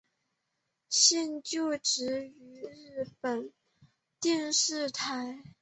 现就职于日本电视台。